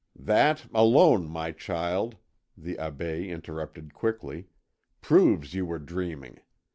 "That, alone, my child," the Abbé interrupted quickly, "proves you were dreaming.